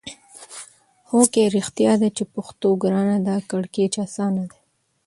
هو کې! رښتیا ده چې پښتو ګرانه ده کیړکیچو اسانه ده.